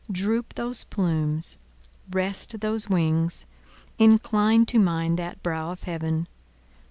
droop those plumes, rest those wings; incline to mine that brow of Heaven!